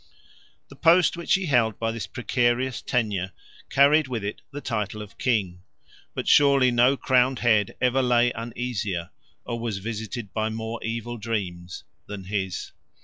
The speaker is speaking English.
The post which he held by this precarious tenure carried with it the title of king; but surely no crowned head ever lay uneasier, or was visited by more evil dreams, than his.